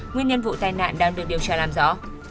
nguyên nhân vụ tai nạn đang được điều tra làm rõ